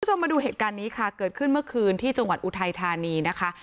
คุณผู้ชมมาดูเหตุการณ์นี้ค่ะเกิดขึ้นเมื่อคืนที่จังหวัดอุทัยธานีนะคะ